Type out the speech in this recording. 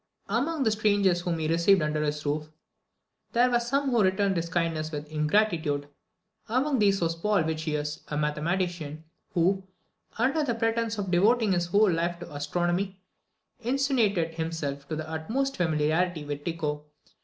Among the strangers whom he received under his roof, there were some who returned his kindness with ingratitude. Among these was Paul Witichius, a mathematician; who, under the pretence of devoting his whole life to astronomy, insinuated himself into the utmost familiarity with Tycho.